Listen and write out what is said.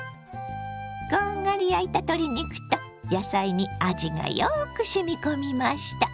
こんがり焼いた鶏肉と野菜に味がよくしみ込みました。